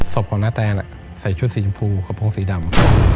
ศพของนาแตนใส่ชุดสีชมพูกระโพงสีดำ